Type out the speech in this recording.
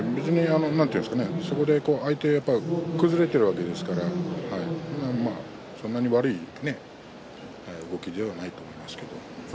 そこで相手が崩れているわけですからそんなに悪い動きではないと思います。